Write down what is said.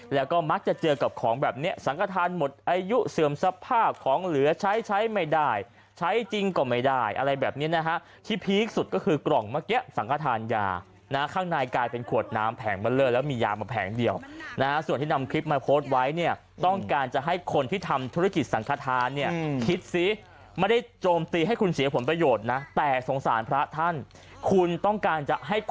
แล้วก็มักจะเจอกับของแบบเนี้ยสังฆาธารหมดอายุเสื่อมสภาพของเหลือใช้ใช้ไม่ได้ใช้จริงกว่าไม่ได้อะไรแบบเนี้ยนะฮะที่พีคสุดก็คือกล่องเมื่อกี้สังฆาธารยานะฮะข้างในกลายเป็นขวดน้ำแผงเบลอแล้วมียามาแผงเดียวนะฮะส่วนที่นำคลิปมาโพสต์ไว้เนี้ยต้องการจะให้คนที่ทำธุรกิจสังฆา